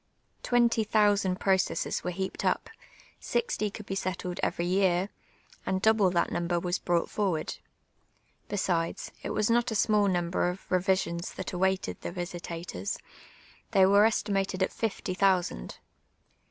Twenty thousaml proeesses were heajH'd uj) ; sixty ^o\il(l be settled every year, and double that number was )iou<j:ht forward. Hesides, it was not a snudl nuinbrr of revi >i(>n.s that awaited the vi.sitators," — they were estimated at iftv thousand.